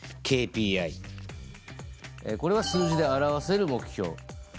えこれは数字で表せる目標。